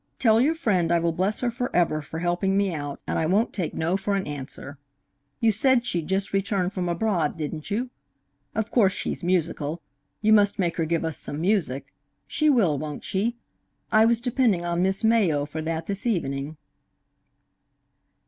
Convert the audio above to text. Tell your friend I will bless her forever for helping me out, and I won't take no for an answer. You said she'd just returned from abroad, didn't you? Of course she's musical. You must make her give us some music. She will, won't she? I was depending on Miss Mayo for that this evening."